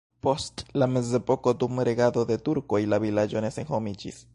Post la mezepoko dum regado de turkoj la vilaĝo ne senhomiĝis.